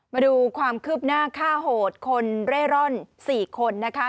มาดูความคืบหน้าฆ่าโหดคนเร่ร่อน๔คนนะคะ